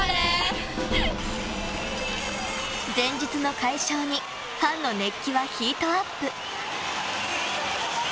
前日の快勝にファンの熱気はヒートアップ。